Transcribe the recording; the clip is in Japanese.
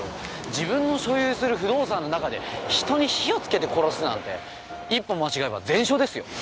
自分の所有する不動産の中で人に火をつけて殺すなんて一歩間違えば全焼ですよ。